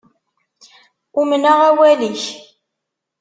Umneɣ awal-ik.